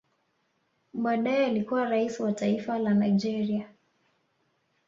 Baadaye alikuwa rais wa taifa la Nigeria